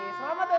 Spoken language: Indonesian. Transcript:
selamat ya natalia